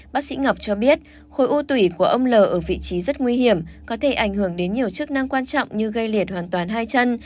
bác sĩ ngọc cho biết khối u tủy của ông l ở vị trí rất nguy hiểm có thể ảnh hưởng đến nhiều chức năng quan trọng như gây liệt hoàn toàn hai chân